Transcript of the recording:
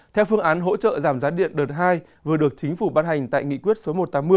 theo phương án hỗ trợ giảm giá điện đợt hai vừa được chính phủ bán hành tại nghị quyết số một trăm tám mươi